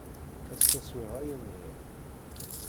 Ass-a swiɣ ayen bɣiɣ.